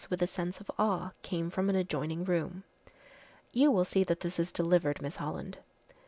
with a sense of awe came from an adjoining room. "You will see that this is delivered, Miss Holland."